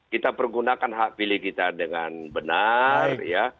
kita pergunakan hak pilih kita dengan benar